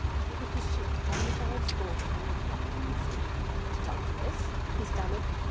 It was the sheet upon which I had scrawled the enigmatic message. "Douglas!" he stammered.